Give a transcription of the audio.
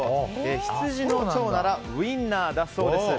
羊の腸ならウインナーだそうです。